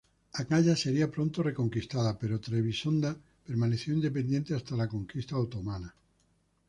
Acaya sería pronto reconquistada, pero Trebisonda permaneció independiente hasta la conquista otomana.